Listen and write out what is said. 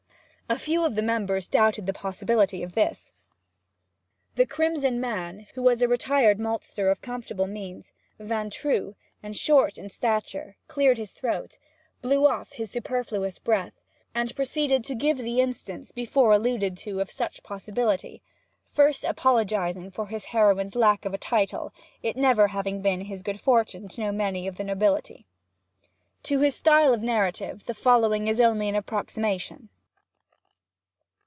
A few of the members doubted the possibility of this. The crimson man, who was a retired maltster of comfortable means, ventru, and short in stature, cleared his throat, blew off his superfluous breath, and proceeded to give the instance before alluded to of such possibility, first apologizing for his heroine's lack of a title, it never having been his good fortune to know many of the nobility. To his style of narrative the following is only an approximation.